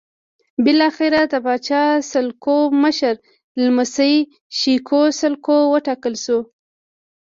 بالاخره د پاچا سلوکو مشر لمسی شېکو سلوکو وټاکل شو.